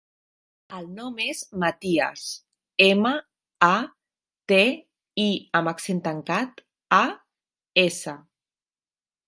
El nom és Matías: ema, a, te, i amb accent tancat, a, essa.